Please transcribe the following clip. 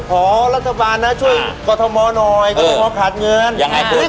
ขอรัฐบาลนะช่วยกรทมหน่อยกรทมขาดเงิน